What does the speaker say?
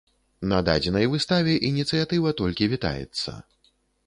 На дадзенай выставе ініцыятыва толькі вітаецца.